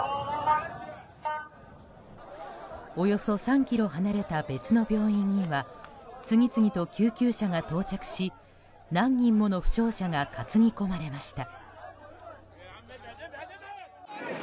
およそ３ｋｍ離れた別の病院には次々と救急車が到着し何人もの負傷者が担ぎ込まれました。